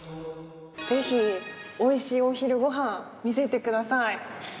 ぜひおいしいお昼ご飯見せて下さい。